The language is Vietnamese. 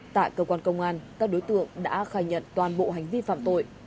tại cơ quan công an các đối tượng đã khai nhận toàn bộ hành vi phạm tội